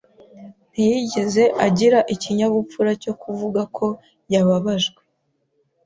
Ntiyigeze agira ikinyabupfura cyo kuvuga ko yababajwe.